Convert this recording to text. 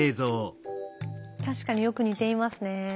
確かによく似ていますね。